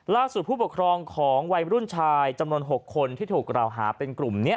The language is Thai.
ผู้ปกครองของวัยรุ่นชายจำนวน๖คนที่ถูกกล่าวหาเป็นกลุ่มนี้